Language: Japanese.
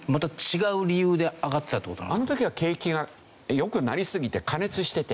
あの時は景気が良くなりすぎて過熱してて。